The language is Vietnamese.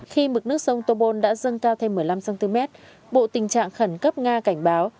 khi mực nước sông tobol đã dâng cao thêm một mươi năm cm bộ tình trạng khẩn cấp nga cảnh báo